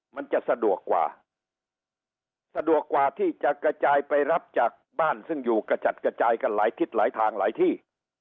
มันจะสะดวกกว่าสะดวกกว่าที่จะกระจายไปรับจากบ้านซึ่งอยู่กระจัดกระจายกันหลายทิศหลายทางหลายที่